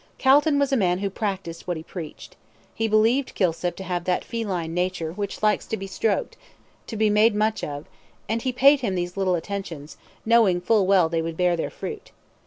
Calton was a man who practised what he preached. He believed Kilsip to have that feline nature, which likes to be stroked, to be made much of, and he paid him these little attentions, knowing full well they would bear their fruit.